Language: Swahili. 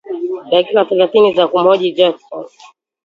dakika thelathini za kumhoji Jackson